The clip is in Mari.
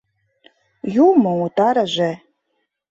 Юмо утарыже!